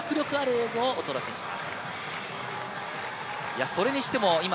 グラウンド内の迫力ある映像をお届けします。